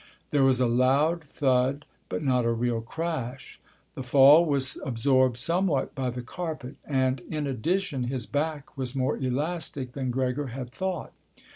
There was a loud thud, but not a real crash. The fall was absorbed somewhat by the carpet and, in addition, his back was more elastic than Gregor had thought.